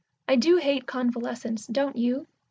I do hate convalescence, don't you?"